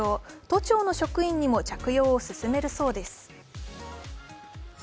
都庁の職員にも着用を勧めるそうです。